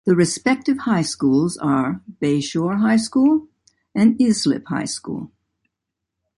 The respective high schools are Bay Shore High School and Islip High School.